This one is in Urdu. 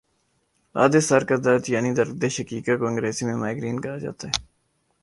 آدھے سر کا درد یعنی دردِ شقیقہ کو انگریزی میں مائیگرین کہا جاتا ہے